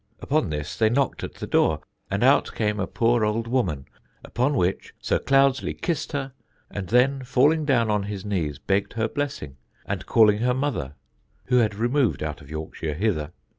Upon this they knocked at the door, and out came a poor old woman, upon which Sir Cloudesley kissed her, and then falling down on his knees, begged her blessing, and calling her mother (who had removed out of Yorkshire hither).